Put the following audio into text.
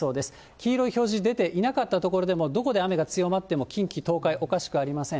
黄色い表示出ていなかった所でも、どこで雨が強まっても近畿、東海、おかしくありません。